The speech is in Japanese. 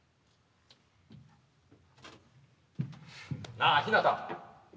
なあひなた。